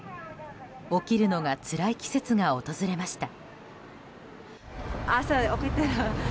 起きるのがつらい季節が訪れました。